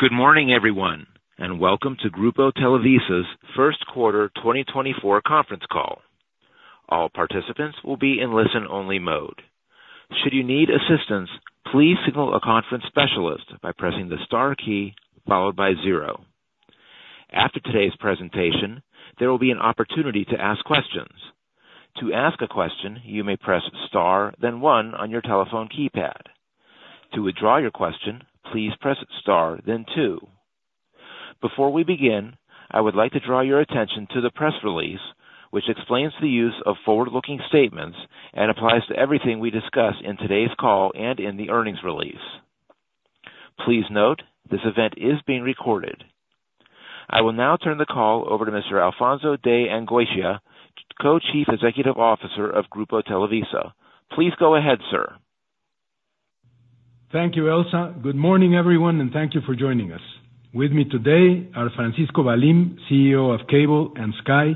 Good morning, everyone, and welcome to Grupo Televisa's First Quarter 2024 conference call. All participants will be in listen-only mode. Should you need assistance, please signal a conference specialist by pressing the star key followed by zero. After today's presentation, there will be an opportunity to ask questions. To ask a question, you may press star, then one on your telephone keypad. To withdraw your question, please press star, then two. Before we begin, I would like to draw your attention to the press release, which explains the use of forward-looking statements and applies to everything we discuss in today's call and in the earnings release. Please note, this event is being recorded. I will now turn the call over to Mr. Alfonso de Angoitia, Co-Chief Executive Officer of Grupo Televisa. Please go ahead, sir. Thank you, Elsa. Good morning, everyone, and thank you for joining us. With me today are Francisco Valim, CEO of Cable and Sky,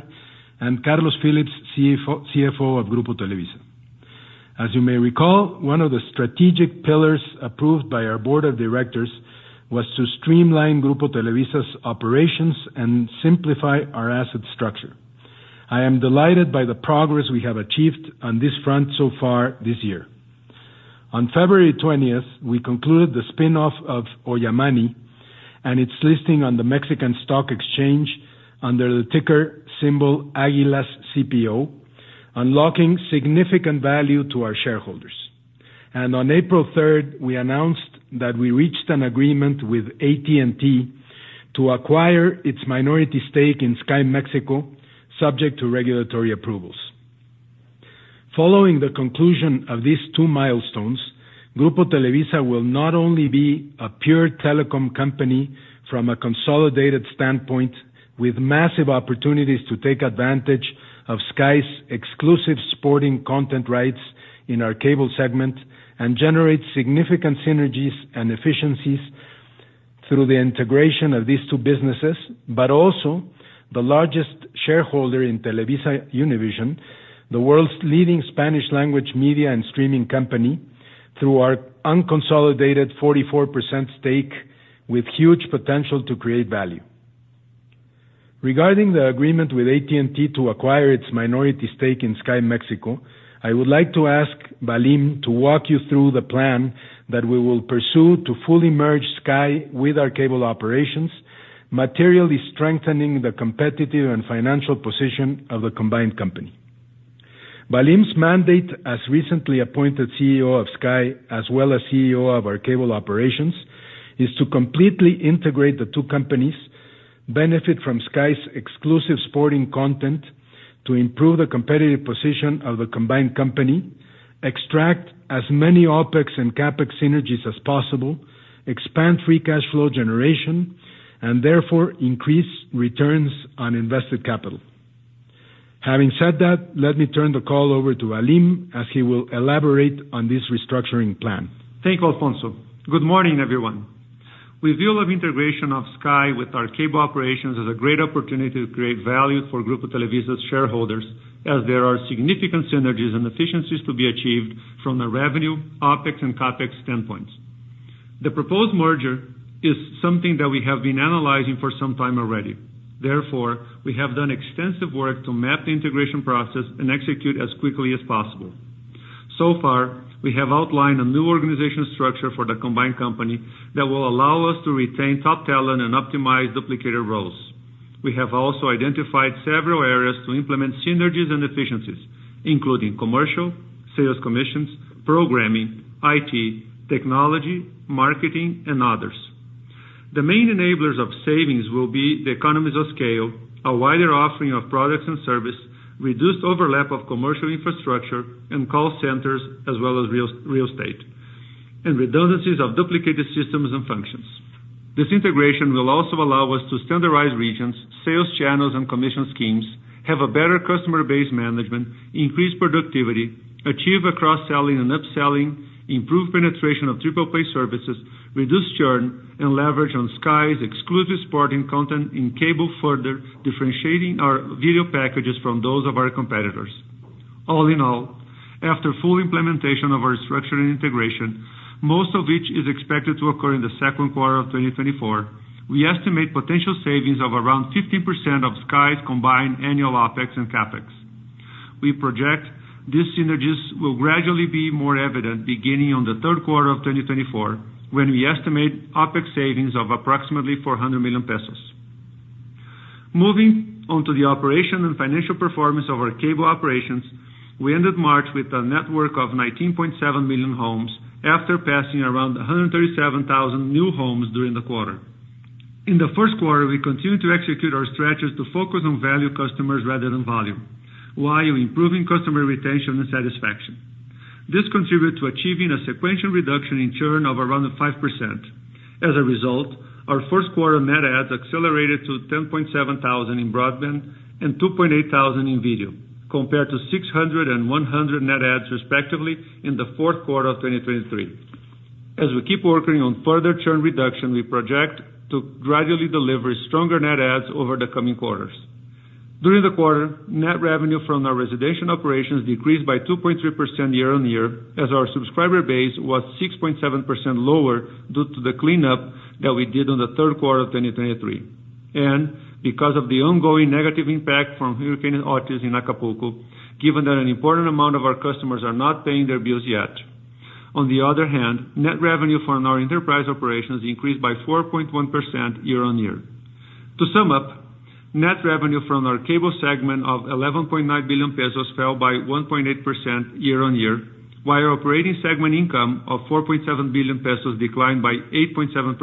and Carlos Phillips, CFO of Grupo Televisa. As you may recall, one of the strategic pillars approved by our board of directors was to streamline Grupo Televisa's operations and simplify our asset structure. I am delighted by the progress we have achieved on this front so far this year. On February twentieth, we concluded the spin-off of Ollamani and its listing on the Mexican Stock Exchange under the ticker symbol AGUILASCPO, unlocking significant value to our shareholders. On April third, we announced that we reached an agreement with AT&T to acquire its minority stake in Sky México, subject to regulatory approvals. Following the conclusion of these two milestones, Grupo Televisa will not only be a pure telecom company from a consolidated standpoint, with massive opportunities to take advantage of Sky's exclusive sporting content rights in our cable segment and generate significant synergies and efficiencies through the integration of these two businesses, but also the largest shareholder in TelevisaUnivision, the world's leading Spanish language media and streaming company, through our unconsolidated 44% stake, with huge potential to create value. Regarding the agreement with AT&T to acquire its minority stake in Sky México, I would like to ask Valim to walk you through the plan that we will pursue to fully merge Sky with our cable operations, materially strengthening the competitive and financial position of the combined company. Valim's mandate, as recently appointed CEO of Sky, as well as CEO of our cable operations, is to completely integrate the two companies, benefit from Sky's exclusive sporting content to improve the competitive position of the combined company, extract as many OpEx and CapEx synergies as possible, expand free cash flow generation, and therefore increase returns on invested capital. Having said that, let me turn the call over to Valim as he will elaborate on this restructuring plan. Thank you, Alfonso. Good morning, everyone. We view the integration of Sky with our cable operations as a great opportunity to create value for Grupo Televisa's shareholders, as there are significant synergies and efficiencies to be achieved from the revenue, OpEx, and CapEx standpoints. The proposed merger is something that we have been analyzing for some time already. Therefore, we have done extensive work to map the integration process and execute as quickly as possible. So far, we have outlined a new organizational structure for the combined company that will allow us to retain top talent and optimize duplicated roles. We have also identified several areas to implement synergies and efficiencies, including commercial, sales commissions, programming, IT, technology, marketing, and others. The main enablers of savings will be the economies of scale, a wider offering of products and service, reduced overlap of commercial infrastructure and call centers, as well as real estate, and redundancies of duplicated systems and functions. This integration will also allow us to standardize regions, sales channels, and commission schemes, have a better customer base management, increase productivity, achieve a cross-selling and upselling, improve penetration of triple-play services, reduce churn, and leverage on Sky's exclusive sporting content in cable, further differentiating our video packages from those of our competitors. All in all, after full implementation of our structure and integration, most of which is expected to occur in the second quarter of 2024, we estimate potential savings of around 15% of Sky's combined annual OpEx and CapEx. We project these synergies will gradually be more evident beginning on the third quarter of 2024, when we estimate OpEx savings of approximately 400 million pesos. Moving on to the operation and financial performance of our cable operations, we ended March with a network of 19.7 million homes, after passing around 137,000 new homes during the quarter. In the first quarter, we continued to execute our strategies to focus on value customers rather than volume, while improving customer retention and satisfaction. This contributed to achieving a sequential reduction in churn of around 5%. As a result, our first quarter net adds accelerated to 10,700 in broadband and 2,800 in video, compared to 600 and 100 net adds, respectively, in the fourth quarter of 2023. As we keep working on further churn reduction, we project to gradually deliver stronger net adds over the coming quarters. During the quarter, net revenue from our residential operations decreased by 2.3% year-on-year, as our subscriber base was 6.7% lower due to the cleanup that we did on the third quarter of 2023, and because of the ongoing negative impact from Hurricane Otis in Acapulco, given that an important amount of our customers are not paying their bills yet. On the other hand, net revenue from our enterprise operations increased by 4.1% year-on-year. To sum up, net revenue from our cable segment of 11.9 billion pesos fell by 1.8% year-on-year, while operating segment income of 4.7 billion pesos declined by 8.7%.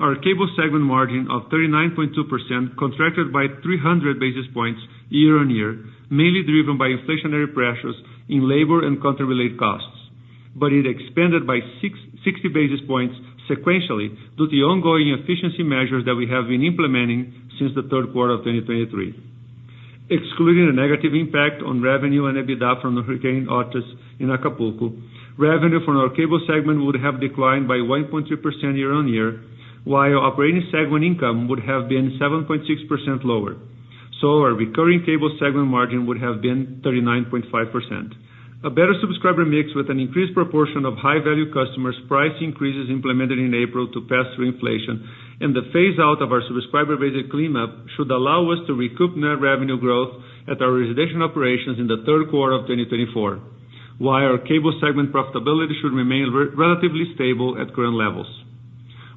Our cable segment margin of 39.2% contracted by 300 basis points year-on-year, mainly driven by inflationary pressures in labor and country-related costs, but it expanded by 60 basis points sequentially, due to the ongoing efficiency measures that we have been implementing since the third quarter of 2023. Excluding the negative impact on revenue and EBITDA from Hurricane Otis in Acapulco, revenue from our cable segment would have declined by 1.3% year-on-year, while operating segment income would have been 7.6% lower. So our recurring cable segment margin would have been 39.5%. A better subscriber mix with an increased proportion of high-value customers, price increases implemented in April to pass through inflation, and the phase out of our subscriber-based cleanup, should allow us to recoup net revenue growth at our residential operations in the third quarter of 2024, while our cable segment profitability should remain relatively stable at current levels.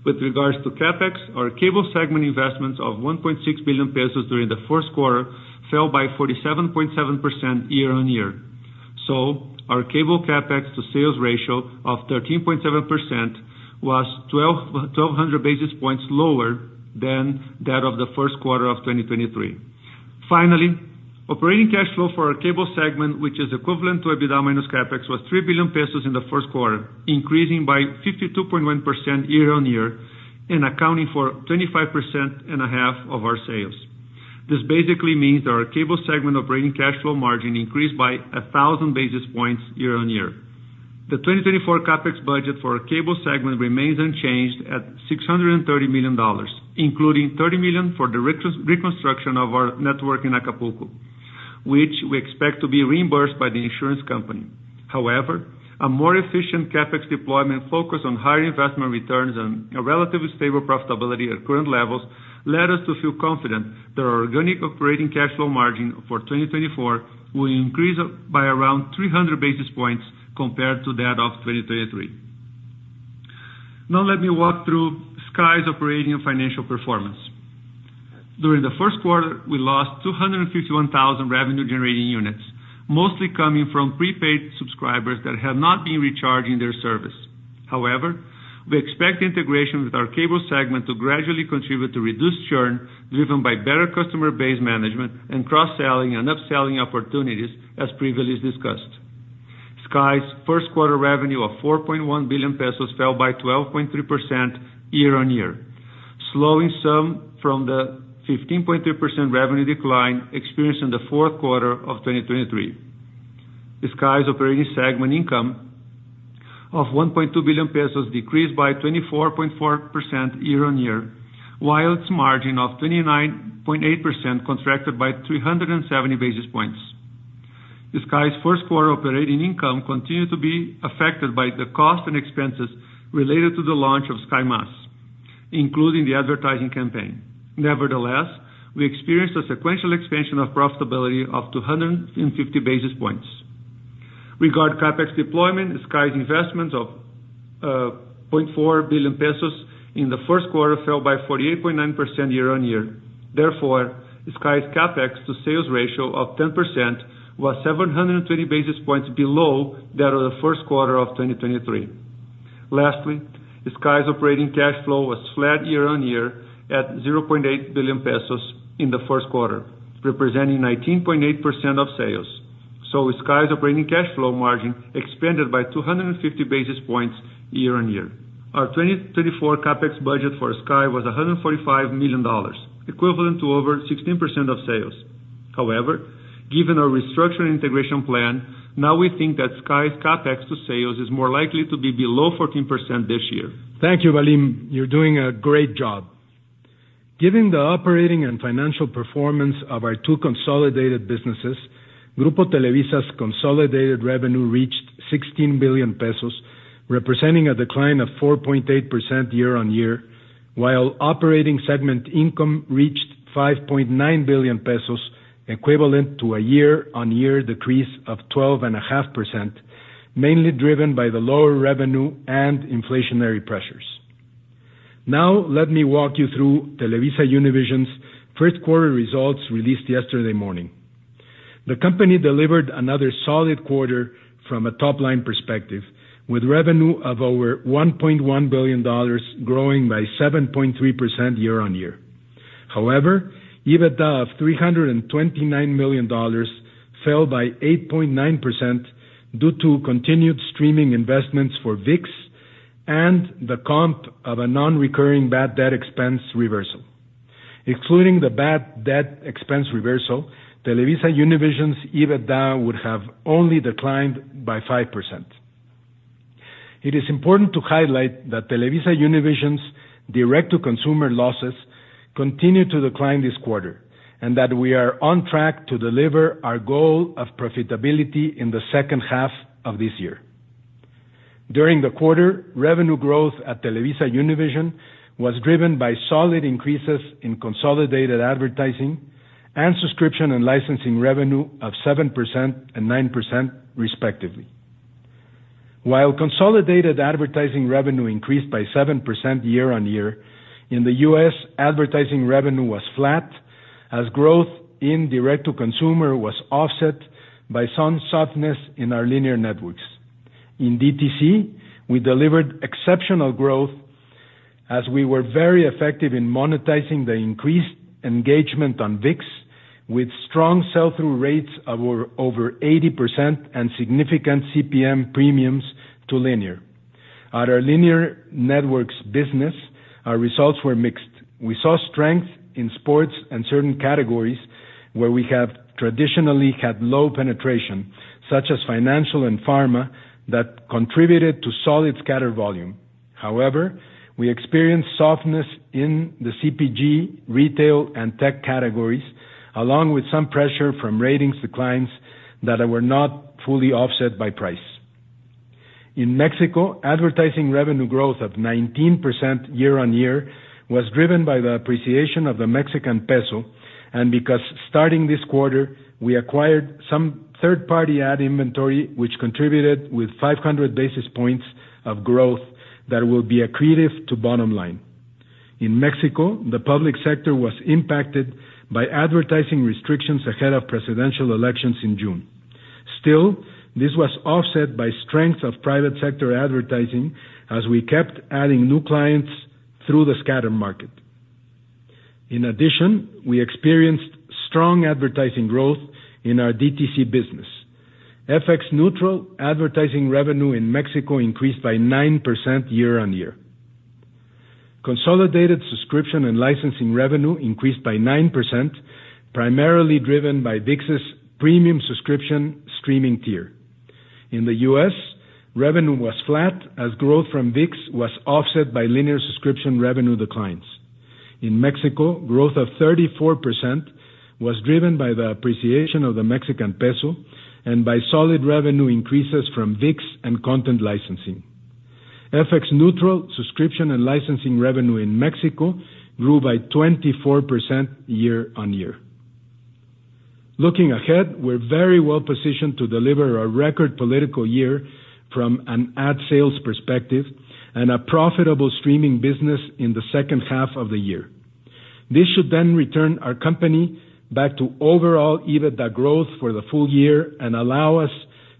With regards to CapEx, our cable segment investments of 1.6 billion pesos during the first quarter fell by 47.7% year-on-year. So our cable CapEx to sales ratio of 13.7%, was 1,200 basis points lower than that of the first quarter of 2023. Finally, operating cash flow for our cable segment, which is equivalent to EBITDA minus CapEx, was 3 billion pesos in the first quarter, increasing by 52.1% year-on-year, and accounting for 25.5% of our sales. This basically means that our cable segment operating cash flow margin increased by 1,000 basis points year-on-year. The 2024 CapEx budget for our cable segment remains unchanged at $630 million, including $30 million for the reconstruction of our network in Acapulco, which we expect to be reimbursed by the insurance company. However, a more efficient CapEx deployment focused on higher investment returns and a relatively stable profitability at current levels, led us to feel confident that our organic operating cash flow margin for 2024 will increase by around 300 basis points compared to that of 2023. Now let me walk through Sky's operating and financial performance. During the first quarter, we lost 251,000 revenue-generating units, mostly coming from prepaid subscribers that have not been recharging their service. However, we expect integration with our cable segment to gradually contribute to reduced churn, driven by better customer base management and cross-selling and upselling opportunities, as previously discussed. Sky's first quarter revenue of 4.1 billion pesos fell by 12.3% year-on-year, slowing some from the 15.3% revenue decline experienced in the fourth quarter of 2023. Sky's operating segment income of 1.2 billion pesos decreased by 24.4% year-on-year, while its margin of 29.8% contracted by 370 basis points. Sky's first quarter operating income continued to be affected by the cost and expenses related to the launch of Sky+, including the advertising campaign. Nevertheless, we experienced a sequential expansion of profitability of 250 basis points. Regarding CapEx deployment, Sky's investments of 0.4 billion pesos in the first quarter fell by 48.9% year-on-year. Therefore, Sky's CapEx to sales ratio of 10% was 720 basis points below that of the first quarter of 2023. Lastly, Sky's operating cash flow was flat year-on-year, at 0.8 billion pesos in the first quarter, representing 19.8% of sales. Sky's operating cash flow margin expanded by 250 basis points year-on-year. Our 2024 CapEx budget for Sky was $145 million, equivalent to over 16% of sales. However, given our restructuring integration plan, now we think that Sky's CapEx to sales is more likely to be below 14% this year. Thank you, Valim. You're doing a great job. Given the operating and financial performance of our two consolidated businesses, Grupo Televisa's consolidated revenue reached 16 billion pesos, representing a decline of 4.8% year-on-year, while operating segment income reached 5.9 billion pesos, equivalent to a year-on-year decrease of 12.5%, mainly driven by the lower revenue and inflationary pressures. Now, let me walk you through TelevisaUnivision's first-quarter results released yesterday morning. The company delivered another solid quarter from a top-line perspective, with revenue of over $1.1 billion, growing by 7.3% year-on-year. However, EBITDA of $329 million fell by 8.9% due to continued streaming investments for ViX and the comp of a non-recurring bad debt expense reversal. Excluding the bad debt expense reversal, TelevisaUnivision's EBITDA would have only declined by 5%.... It is important to highlight that TelevisaUnivision's direct-to-consumer losses continued to decline this quarter, and that we are on track to deliver our goal of profitability in the second half of this year. During the quarter, revenue growth at TelevisaUnivision was driven by solid increases in consolidated advertising and subscription and licensing revenue of 7% and 9%, respectively. While consolidated advertising revenue increased by 7% year-on-year, in the U.S., advertising revenue was flat, as growth in direct-to-consumer was offset by some softness in our linear networks. In DTC, we delivered exceptional growth as we were very effective in monetizing the increased engagement on ViX, with strong sell-through rates of over 80% and significant CPM premiums to linear. At our linear networks business, our results were mixed. We saw strength in sports and certain categories where we have traditionally had low penetration, such as financial and pharma, that contributed to solid scatter volume. However, we experienced softness in the CPG, retail, and tech categories, along with some pressure from ratings declines that were not fully offset by price. In Mexico, advertising revenue growth of 19% year-on-year was driven by the appreciation of the Mexican peso, and because starting this quarter, we acquired some third-party ad inventory, which contributed with 500 basis points of growth that will be accretive to bottom line. In Mexico, the public sector was impacted by advertising restrictions ahead of presidential elections in June. Still, this was offset by strength of private sector advertising as we kept adding new clients through the scatter market. In addition, we experienced strong advertising growth in our DTC business. FX neutral advertising revenue in Mexico increased by 9% year-over-year. Consolidated subscription and licensing revenue increased by 9%, primarily driven by ViX's premium subscription streaming tier. In the US, revenue was flat as growth from ViX was offset by linear subscription revenue declines. In Mexico, growth of 34% was driven by the appreciation of the Mexican peso and by solid revenue increases from ViX and content licensing. FX neutral subscription and licensing revenue in Mexico grew by 24% year-over-year. Looking ahead, we're very well positioned to deliver a record political year from an ad sales perspective and a profitable streaming business in the second half of the year. This should then return our company back to overall EBITDA growth for the full year and allow us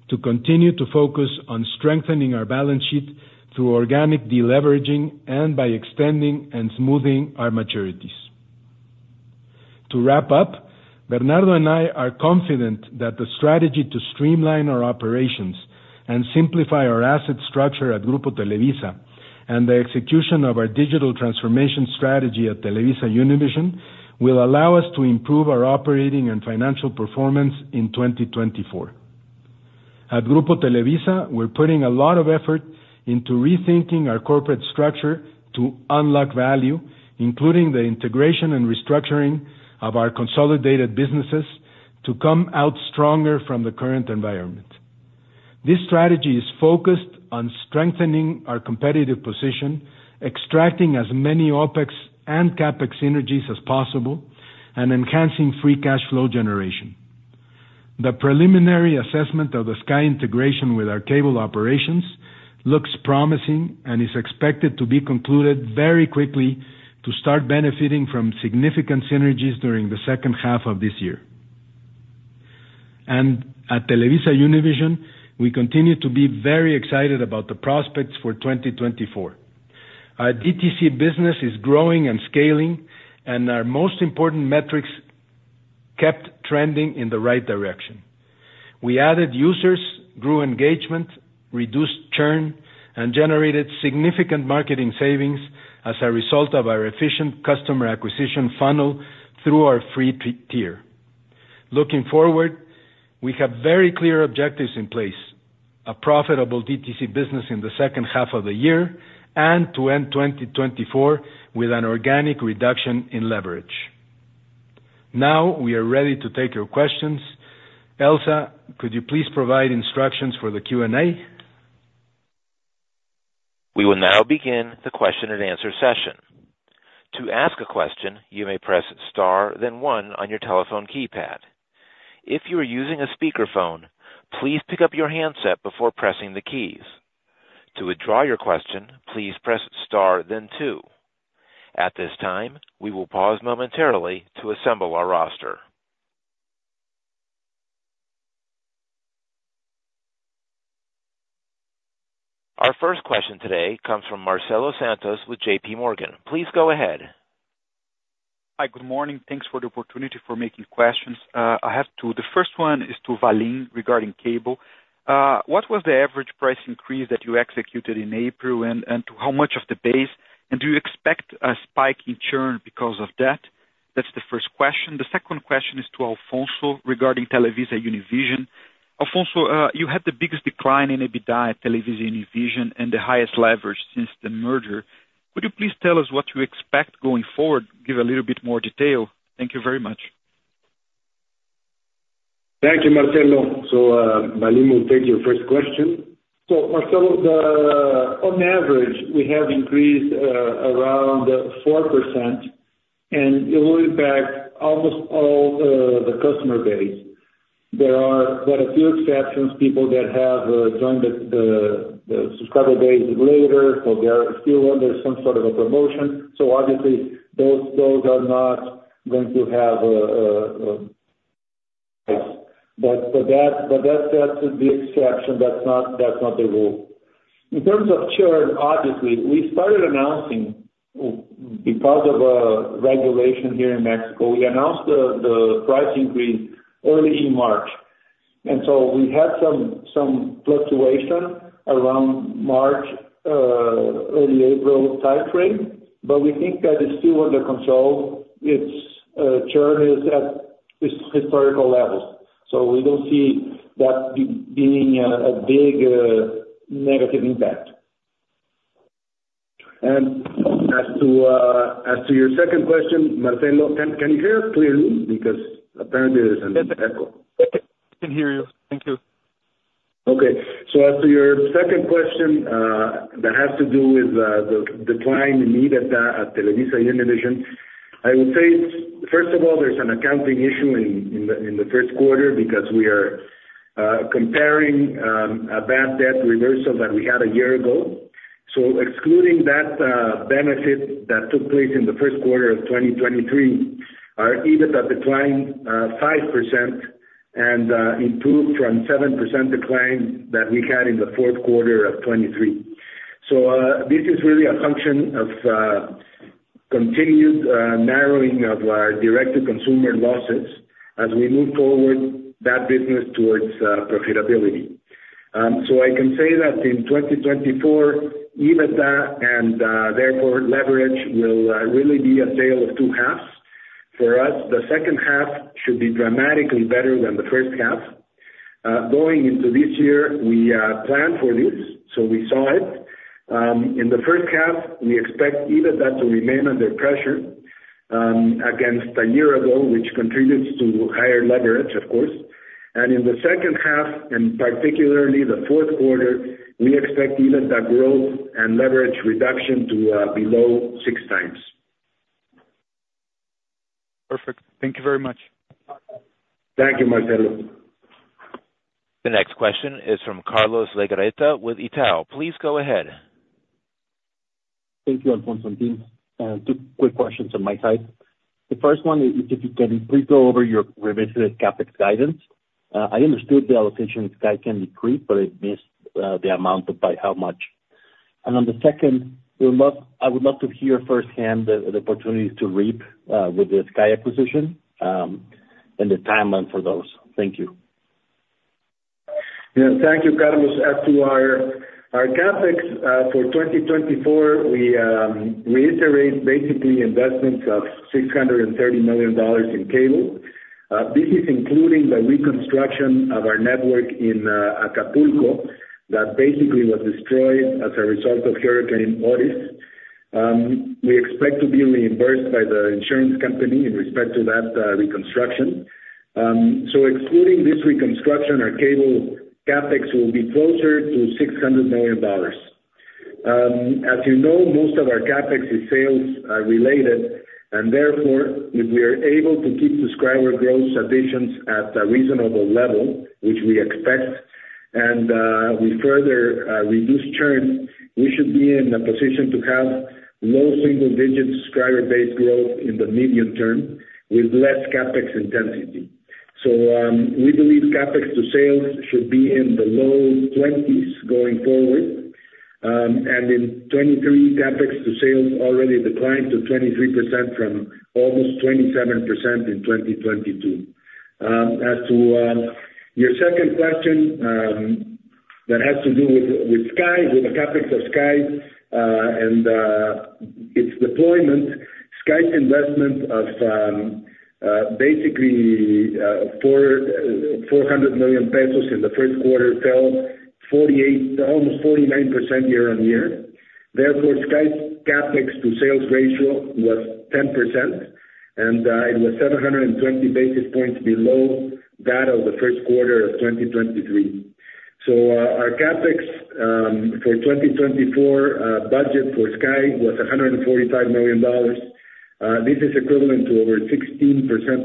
to continue to focus on strengthening our balance sheet through organic deleveraging and by extending and smoothing our maturities. To wrap up, Bernardo and I are confident that the strategy to streamline our operations and simplify our asset structure at Grupo Televisa and the execution of our digital transformation strategy at TelevisaUnivision will allow us to improve our operating and financial performance in 2024. At Grupo Televisa, we're putting a lot of effort into rethinking our corporate structure to unlock value, including the integration and restructuring of our consolidated businesses, to come out stronger from the current environment. This strategy is focused on strengthening our competitive position, extracting as many OpEx and CapEx synergies as possible, and enhancing free cash flow generation. The preliminary assessment of the Sky integration with our cable operations looks promising and is expected to be concluded very quickly to start benefiting from significant synergies during the second half of this year. And at TelevisaUnivision, we continue to be very excited about the prospects for 2024. Our DTC business is growing and scaling, and our most important metrics kept trending in the right direction. We added users, grew engagement, reduced churn, and generated significant marketing savings as a result of our efficient customer acquisition funnel through our free tier. Looking forward, we have very clear objectives in place: a profitable DTC business in the second half of the year and to end 2024 with an organic reduction in leverage. Now we are ready to take your questions. Elsa, could you please provide instructions for the Q&A? We will now begin the question-and-answer session. To ask a question, you may press star, then one on your telephone keypad. If you are using a speakerphone, please pick up your handset before pressing the keys. To withdraw your question, please press star then two. At this time, we will pause momentarily to assemble our roster. Our first question today comes from Marcelo Santos with JPMorgan. Please go ahead. Hi, good morning. Thanks for the opportunity for making questions. I have two. The first one is to Valim regarding cable. What was the average price increase that you executed in April, and to how much of the base? And do you expect a spike in churn because of that? That's the first question. The second question is to Alfonso, regarding TelevisaUnivision. Alfonso, you had the biggest decline in EBITDA at TelevisaUnivision and the highest leverage since the merger. Would you please tell us what you expect going forward? Give a little bit more detail. Thank you very much. Thank you, Marcelo. So, Valim will take your first question. So Marcelo, on average, we have increased around 4%, and it will impact almost all the customer base. There are quite a few exceptions, people that have joined the subscriber base later, so they're still under some sort of a promotion, so obviously those are not going to have a – but that that's the exception, that's not the rule. In terms of churn, obviously, we started announcing because of regulation here in Mexico, we announced the price increase early in March, and so we had some fluctuation around March, early April time frame, but we think that it's still under control. It's churn is at historical levels, so we don't see that being a big negative impact. And as to your second question, Marcelo, can you hear us clearly? Because apparently there's an echo. I can hear you. Thank you. Okay. So, as to your second question, that has to do with the decline in EBITDA at TelevisaUnivision. I would say, first of all, there's an accounting issue in the first quarter because we are comparing a bad debt reversal that we had a year ago. So, excluding that benefit that took place in the first quarter of 2023, our EBITDA declined 5% and improved from 7% decline that we had in the fourth quarter of 2023. So this is really a function of continued narrowing of our direct-to-consumer losses as we move forward that business towards profitability. So I can say that in 2024, EBITDA and therefore leverage will really be a tale of two halves. For us, the second half should be dramatically better than the first half. Going into this year, we planned for this, so we saw it. In the first half, we expect EBITDA to remain under pressure, against a year ago, which contributes to higher leverage, of course. In the second half, and particularly the fourth quarter, we expect EBITDA growth and leverage reduction to below 6x. Perfect. Thank you very much. Thank you, Marcelo. The next question is from Carlos de Legarreta with Itaú. Please go ahead. Thank you, Alfonso and team. Two quick questions on my side. The first one is, if you can please go over your revisited CapEx guidance. I understood the allocation guide can decrease, but it missed the amount by how much. And then the second, I would love to hear firsthand the opportunities to reap with the Sky acquisition, and the timeline for those. Thank you. Yeah, thank you, Carlos. As to our CapEx for 2024, we reiterate basically investments of $600 million in cable. This is including the reconstruction of our network in Acapulco, that basically was destroyed as a result of Hurricane Otis. We expect to be reimbursed by the insurance company in respect to that reconstruction. So, excluding this reconstruction, our cable CapEx will be closer to $600 million. As you know, most of our CapEx is sales-related, and therefore, if we are able to keep subscriber growth additions at a reasonable level, which we expect, and we further reduce churn, we should be in a position to have low single-digit subscriber base growth in the medium term with less CapEx intensity. So, we believe CapEx to sales should be in the low 20s going forward, and in 2023, CapEx to sales already declined to 23% from almost 27% in 2022. As to your second question, that has to do with Sky, with the CapEx of Sky, and its deployment. Sky's investment of basically 400 million pesos in the first quarter fell 48, almost 49% year-on-year. Therefore, Sky's CapEx to sales ratio was 10%, and it was 720 basis points below that of the first quarter of 2023. So, our CapEx for 2024 budget for Sky was $145 million. This is equivalent to over 16%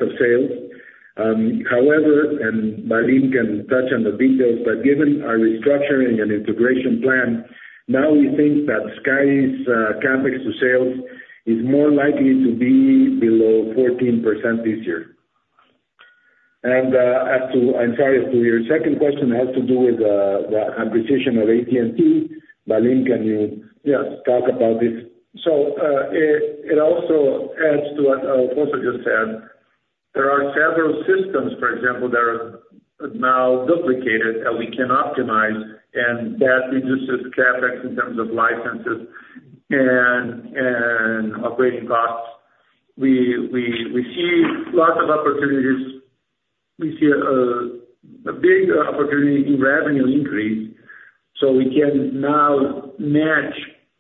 of sales. However, Valim can touch on the details, but given our restructuring and integration plan, now we think that Sky's CapEx to sales is more likely to be below 14% this year. As to your second question, I'm sorry, as to your second question, it has to do with the acquisition of AT&T. Valim, can you just talk about this? So, it also adds to what Alfonso just said. There are several systems, for example, that are now duplicated that we can optimize, and that reduces CapEx in terms of licenses and operating costs. We see lots of opportunities. We see a big opportunity in revenue increase, so we can now match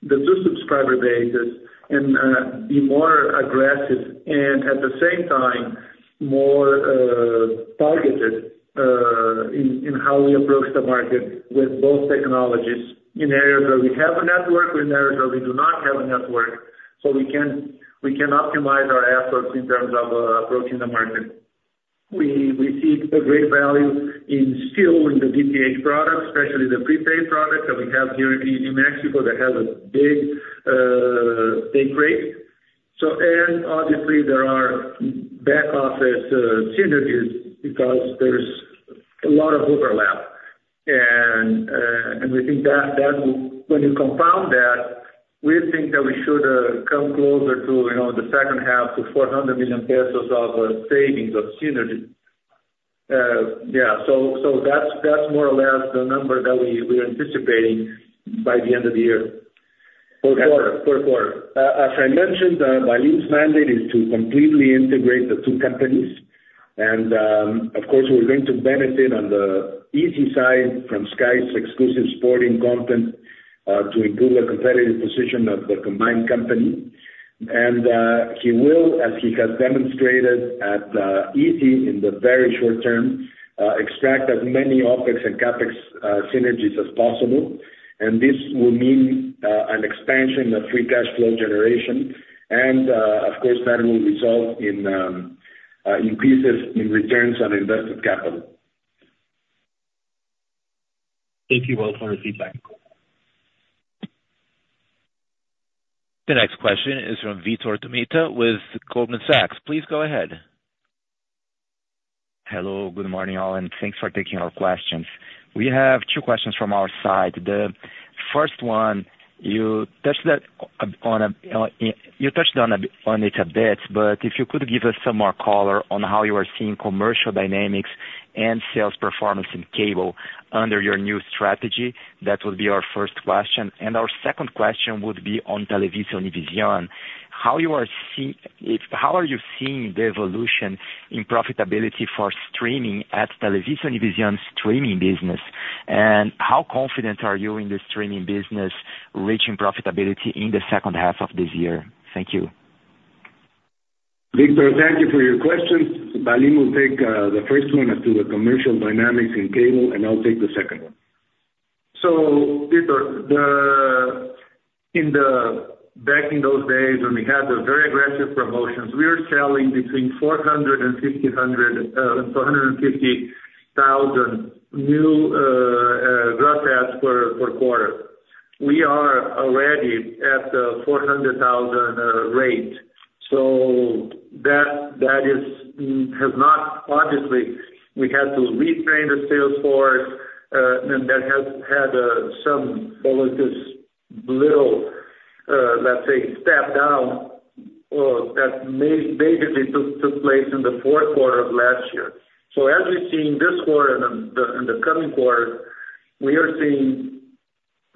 the two subscriber bases and be more aggressive and at the same time, more targeted in how we approach the market with both technologies in areas where we have a network, in areas where we do not have a network, so we can optimize our efforts in terms of approaching the market. We see a great value in still in the DTH product, especially the prepaid product that we have here in Mexico that has a big take rate. So, and obviously there are back office synergies, because there's a lot of overlap and we think that when you compound that, we think that we should come closer to, you know, the second half to 400 million pesos of savings of synergy. Yeah, so that's more or less the number that we're anticipating by the end of the year. Per quarter. Per quarter. As I mentioned, Valim's mandate is to completely integrate the two companies. And, of course, we're going to benefit on the easy side from Sky's exclusive sporting content to improve the competitive position of the combined company. He will, as he has demonstrated at Izzi in the very short term, extract as many OpEx and CapEx synergies as possible, and this will mean an expansion of free cash flow generation, and of course, that will result in increases in returns on invested capital. Thank you both for the feedback. The next question is from Vitor Tomita, with Goldman Sachs. Please go ahead. Hello, good morning, all, and thanks for taking our questions. We have two questions from our side. The first one, you touched on it a bit, but if you could give us some more color on how you are seeing commercial dynamics and sales performance in cable under your new strategy. That would be our first question. And our second question would be on TelevisaUnivision. How are you seeing the evolution in profitability for streaming at TelevisaUnivision streaming business? And how confident are you in the streaming business reaching profitability in the second half of this year? Thank you. Victor, thank you for your question. Valim will take the first one as to the commercial dynamics in cable, and I'll take the second one. So Victor, in the back in those days when we had the very aggressive promotions, we were selling between four hundred and fifty thousand new RGUs per quarter. We are already at the 400,000 rate, so that is has not obviously, we had to retrain the sales force, and that has had some little, let's say, step down that majorly took place in the fourth quarter of last year. So as we've seen this quarter and the and the coming quarter, we are seeing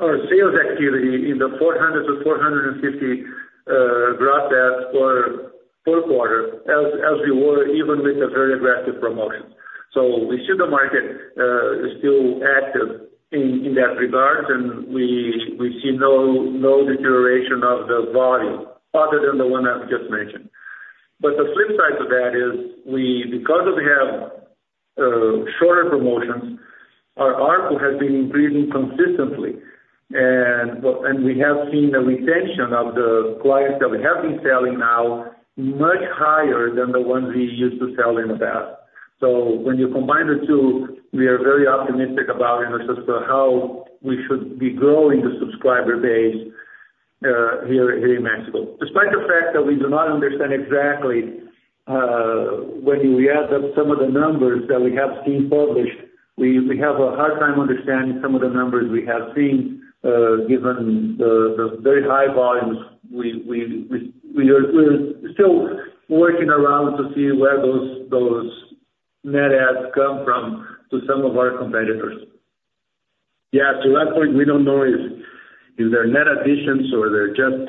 our sales activity in the 400-450 gross adds per quarter, as we were even with a very aggressive promotion. So we see the market is still active in that regard, and we see no deterioration of the volume, other than the one I've just mentioned. But the flip side to that is we, because we have shorter promotions, our ARPU has been increasing consistently. And we have seen a retention of the clients that we have been selling now, much higher than the ones we used to sell in the past. So when you combine the two, we are very optimistic about, in terms of how we should be growing the subscriber base here in Mexico. Despite the fact that we do not understand exactly when we add up some of the numbers that we have seen published, we have a hard time understanding some of the numbers we have seen given the very high volumes. We are still working around to see where those net adds come from to some of our competitors. Yeah, to that point, we don't know is there net additions or they're just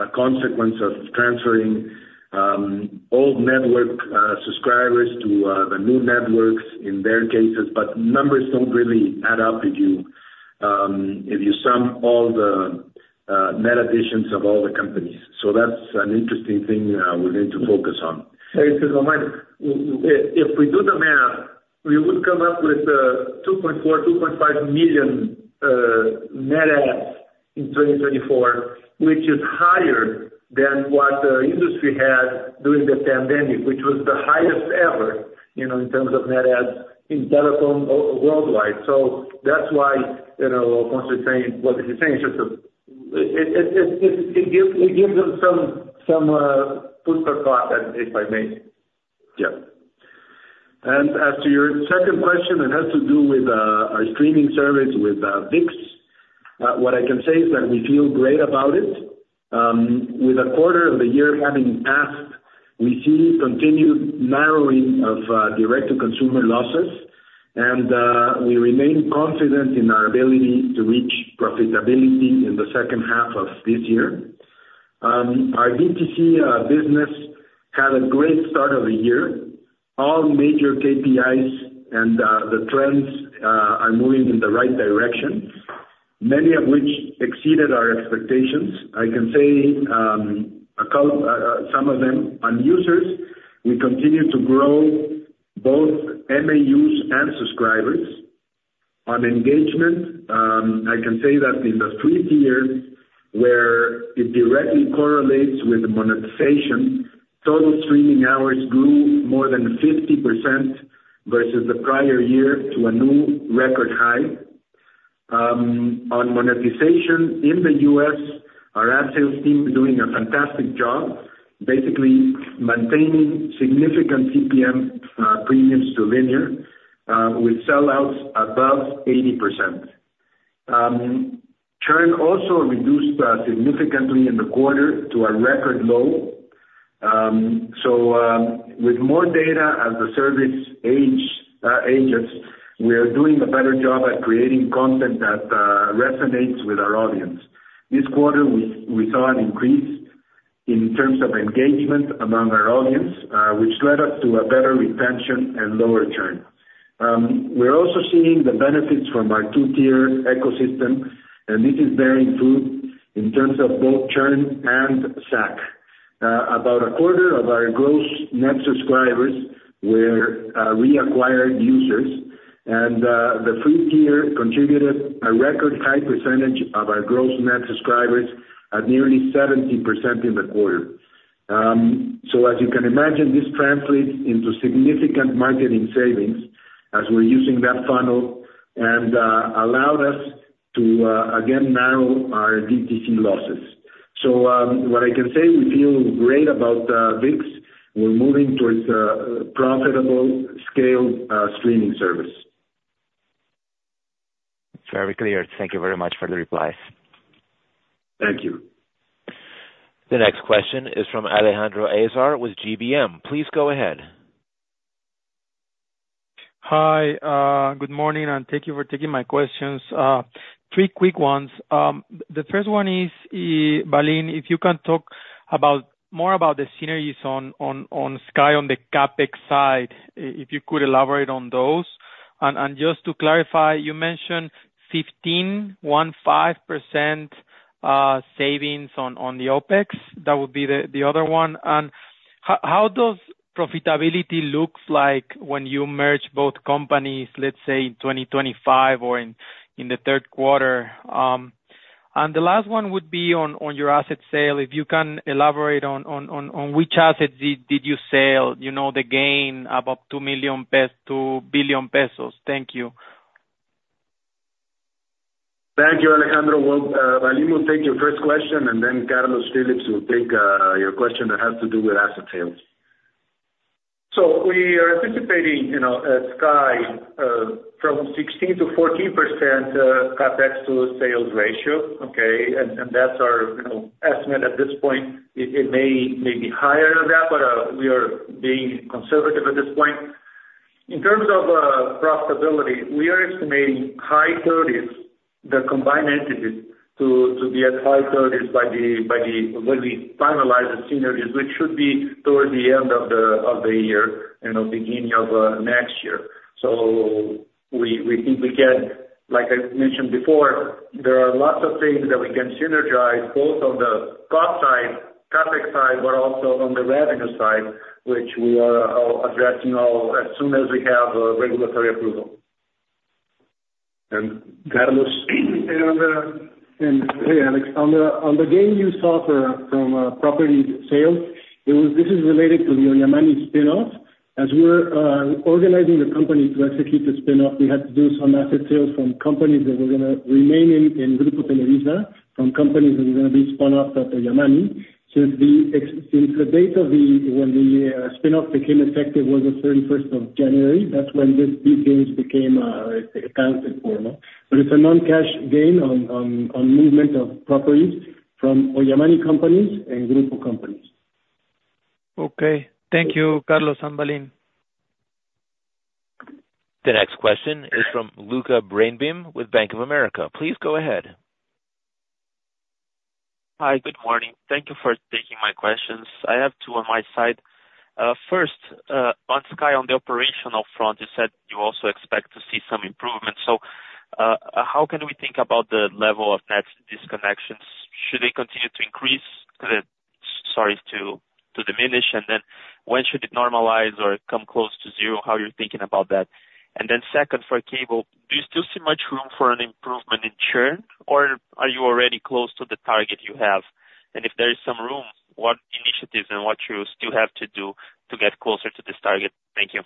a consequence of transferring old network subscribers to the new networks in their cases. But numbers don't really add up if you sum all the net additions of all the companies. So that's an interesting thing we need to focus on. And in my mind, if we do the math, we would come up with 2.4-2.5 million net adds in 2024, which is higher than what the industry had during the pandemic, which was the highest ever, you know, in terms of net adds in telephone worldwide. So that's why, you know, once you're saying, what he's saying is just, it gives us some food for thought, if I may. Yes. And as to your second question, it has to do with our streaming service with ViX. What I can say is that we feel great about it. With a quarter of the year having passed, we see continued narrowing of direct-to-consumer losses, and we remain confident in our ability to reach profitability in the second half of this year. Our DTC business had a great start of the year. All major KPIs and the trends are moving in the right direction, many of which exceeded our expectations. I can say some of them on users; we continue to grow both MAUs and subscribers. On engagement, I can say that in the free tier, where it directly correlates with monetization, total streaming hours grew more than 50% versus the prior year to a new record high. On monetization in the US, our ad sales team is doing a fantastic job, basically maintaining significant CPM premiums to linear, with sellouts above 80%. Churn also reduced significantly in the quarter to a record low. So, with more data as the service age, ages, we are doing a better job at creating content that resonates with our audience. This quarter, we saw an increase in terms of engagement among our audience, which led us to a better retention and lower churn. We're also seeing the benefits from our two-tier ecosystem, and this is bearing fruit in terms of both churn and SAC. About a quarter of our gross net subscribers were reacquired users, and the free tier contributed a record high percentage of our gross net subscribers at nearly 70% in the quarter. So as you can imagine, this translates into significant marketing savings as we're using that funnel, and allowed us to again narrow our DTC losses. So, what I can say, we feel great about ViX. We're moving towards a profitable scale streaming service. Very clear. Thank you very much for the replies. Thank you. The next question is from Alejandro Azar with GBM. Please go ahead. Hi, good morning, and thank you for taking my questions. Three quick ones. The first one is, Valim, if you can talk about more about the synergies on Sky, on the CapEx side. If you could elaborate on those. And just to clarify, you mentioned 15%, savings on the OpEx. That would be the other one. And how does profitability looks like when you merge both companies, let's say in 2025 or in the third quarter? And the last one would be on your asset sale, if you can elaborate on which assets did you sell, you know, the gain about 2 billion pesos? Thank you. Thank you, Alejandro. Well, Valim will take your first question, and then Carlos Phillips will take your question that has to do with asset sales. So we are anticipating, you know, Sky from 16%-14% CapEx to sales ratio, okay? And that's our estimate at this point. It may be higher than that, but we are being conservative at this point. In terms of profitability, we are estimating high thirties, the combined entities, to be at high thirties by then, when we finalize the synergies, which should be toward the end of the year and the beginning of next year. So we think we can. Like I mentioned before, there are lots of things that we can synergize, both on the cost side, CapEx side, but also on the revenue side, which we are addressing all, as soon as we have regulatory approval. And Carlos? Hey, Alex, on the gain you saw from property sales, it was. This is related to the Ollamani spinoff. As we were organizing the company to execute the spinoff, we had to do some asset sales from companies that were gonna remain in Grupo Televisa, from companies that were gonna be spun off after Ollamani. So, since the date when the spinoff became effective was the thirty-first of January, that's when these gains became accounted for, no? But it's a non-cash gain on movement of properties from Ollamani companies and Grupo companies. Okay. Thank you, Carlos and Valim. The next question is from Lucca Brendim with Bank of America. Please go ahead. Hi, good morning. Thank you for taking my questions. I have two on my side. First, on Sky, on the operational front, you said you also expect to see some improvements. How can we think about the level of net disconnections? Should they continue to increase, sorry, to diminish? And then when should it normalize or come close to zero? How are you thinking about that? And then second, for cable, do you still see much room for an improvement in churn, or are you already close to the target you have? And if there is some room, what initiatives and what you still have to do to get closer to this target? Thank you.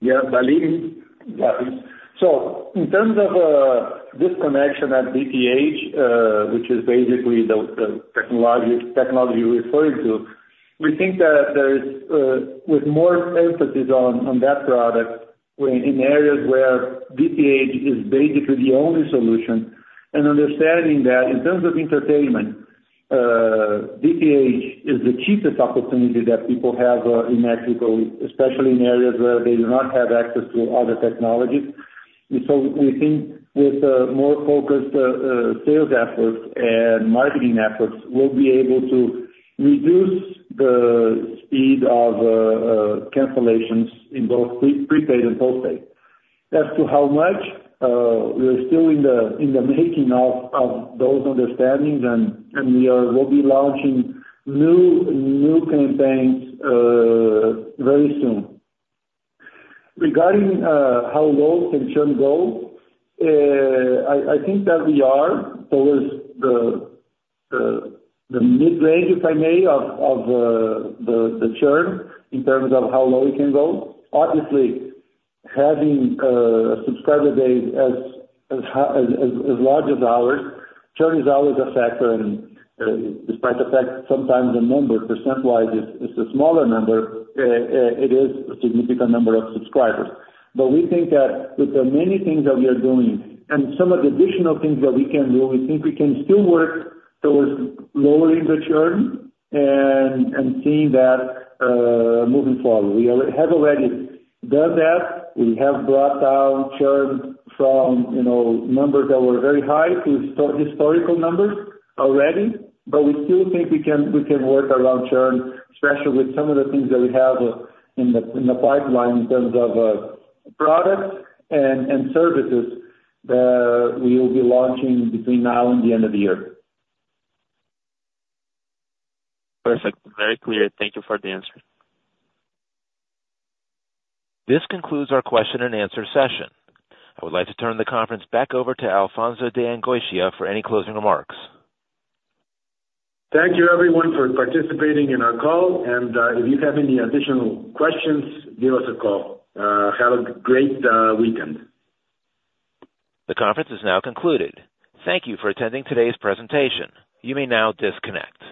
Yeah, Valim? So in terms of disconnection at DTH, which is basically the technology you're referring to, we think that there is with more emphasis on that product, in areas where DTH is basically the only solution, and understanding that in terms of entertainment, DTH is the cheapest opportunity that people have in Mexico, especially in areas where they do not have access to other technologies. So we think with more focused sales efforts and marketing efforts, we'll be able to reduce the speed of cancellations in both prepaid and postpaid. As to how much, we are still in the making of those understandings, and we will be launching new campaigns very soon. Regarding how low can churn go, I think that we are towards the mid-range, if I may, of the churn, in terms of how low it can go. Obviously, having a subscriber base as large as ours, churn is always a factor, and, despite the fact sometimes the number percent-wise is a smaller number, it is a significant number of subscribers. But we think that with the many things that we are doing and some of the additional things that we can do, we think we can still work towards lowering the churn and seeing that moving forward. We have already done that. We have brought down churn from, you know, numbers that were very high to historical numbers already, but we still think we can, we can work around churn, especially with some of the things that we have in the pipeline in terms of products and services that we will be launching between now and the end of the year. Perfect. Very clear. Thank you for the answer. This concludes our question-and-answer session. I would like to turn the conference back over to Alfonso de Angoitia for any closing remarks. Thank you, everyone, for participating in our call, and if you have any additional questions, give us a call. Have a great weekend. The conference is now concluded. Thank you for attending today's presentation. You may now disconnect.